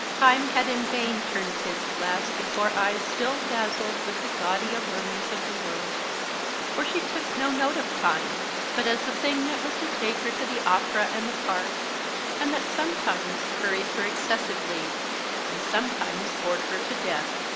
Time had in vain turned his glass before eyes still dazzled with the gaudy allurements of the world, for she took "no note of time" but as the thing that was to take her to the Opera and the Park, and that sometimes hurried her excessively, and sometimes bored her to death.